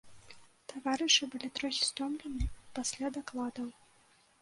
Таварышы былі трохі стомлены пасля дакладаў.